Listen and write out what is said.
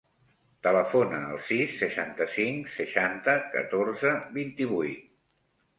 Telefona al sis, seixanta-cinc, seixanta, catorze, vint-i-vuit.